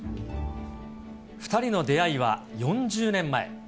２人の出会いは４０年前。